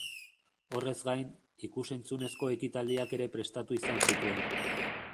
Horrez gain, ikus-entzunezko ekitaldiak ere prestatu izan zituen.